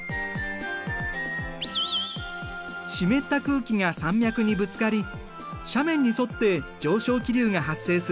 湿った空気が山脈にぶつかり斜面に沿って上昇気流が発生する。